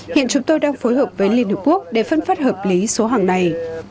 hiện chúng tôi đang phối hợp với liên hợp quốc để phân phát hợp lý số hàng này